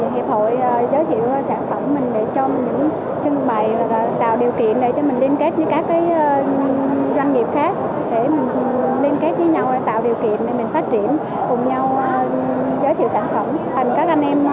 hiệp hội giới thiệu sản phẩm mình để cho mình những trưng bày và tạo điều kiện để cho mình liên kết với các doanh nghiệp khác